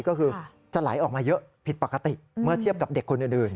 ก็คือจะไหลออกมาเยอะผิดปกติเมื่อเทียบกับเด็กคนอื่น